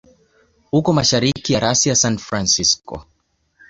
Uko mashariki ya rasi ya San Francisco.